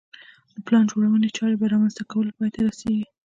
د پلان جوړونې چارې په رامنځته کولو پای ته رسېږي